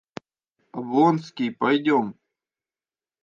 Облонский, пойдем!